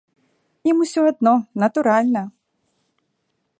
Ім усё адно, натуральна!